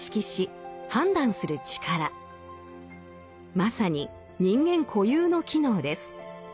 まさに人間固有の機能です。